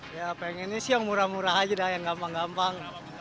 ya pengennya sih yang murah murah aja dah yang gampang gampang